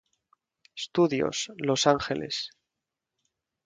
Studios, Los Ángeles.